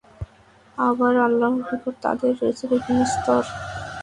আবার আল্লাহর নিকট তাদের রয়েছে বিভিন্ন স্তর।